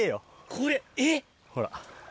これえっ？ほら。